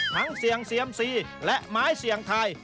ทั้งเสี่ยงเสียม๔และหมายเสี่ยงไท